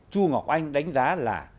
chu ngọc anh đánh giá là